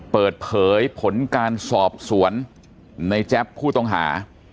เปิดเผยผลการสอบสวนในแจ๊บผู้ต้องหา